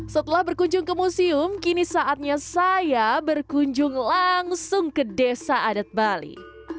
setelah berkunjung ke museum kini saatnya saya berkunjung langsung ke desa adat bali